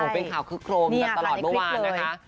เป็นข่าวคึกโครมแบบตลอดเมื่อวานนะคะ